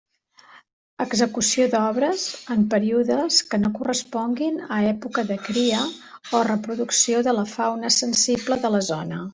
Execució d'obres en períodes que no corresponguin a època de cria o reproducció de la fauna sensible de la zona.